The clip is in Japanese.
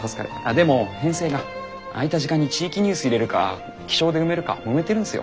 でも編成が空いた時間に地域ニュース入れるか気象で埋めるかもめてるんすよ。